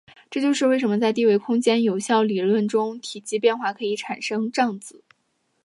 这就是为什么在低维空间有效理论中体积变化可以产生胀子。